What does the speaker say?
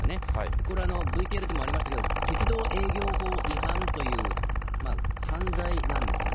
これはＶＴＲでもありましたけども、鉄道営業法違反という犯罪なんですよね。